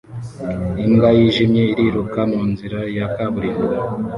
Imbwa yijimye iriruka munzira ya kaburimbo